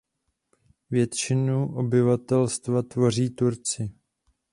Většinu obyvatelstva tvoří Turci.